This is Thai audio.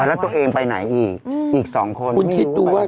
แล้วตัวเองไปไหนอีกอีกสองคนไม่รู้ว่าไปไหน